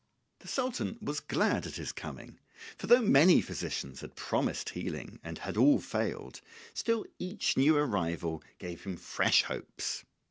The Sultan was glad at his coming, for though many physicians had promised healing and had all failed, still each new arrival gave him fresh hopes.